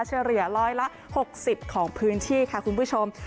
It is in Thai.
เฉลี่ยร้อยละ๖๐ของพื้นที่ค่ะคุณผู้ชม